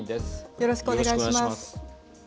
よろしくお願いします。